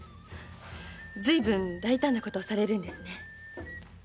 随分大胆なことをされるんですね。